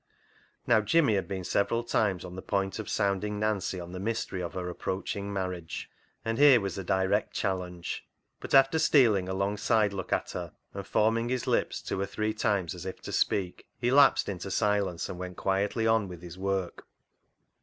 Now, Jimmy had been several times on the point of sounding Nancy on the mystery of her approaching marriage, and here was a direct challenge. But after stealing a long sidelook at her, and forming his lips two or three times as if to speak, he lapsed into silence and went quietly on with his work.